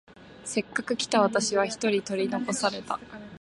せっかく来た私は一人取り残された。